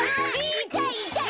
いたいいたい！